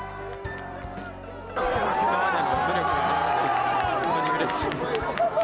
今までの努力が実って、本当にうれしいです。